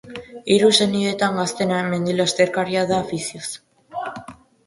Hiru senideetan gaztena, mendi lasterkaria da afizioz.